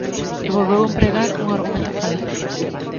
E volveu empregar un argumento falaz.